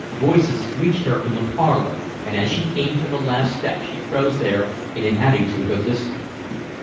Voices reached her from the parlor, and as she came to the last step she froze there in an attitude of listening.